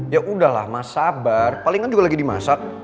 ya udahlah mas sabar palingan juga lagi dimasak